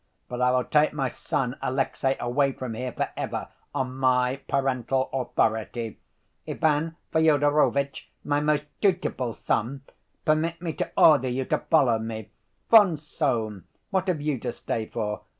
But I will take my son, Alexey, away from here for ever, on my parental authority. Ivan Fyodorovitch, my most dutiful son, permit me to order you to follow me. Von Sohn, what have you to stay for?